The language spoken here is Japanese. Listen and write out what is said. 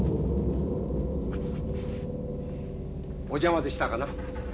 お邪魔でしたかな？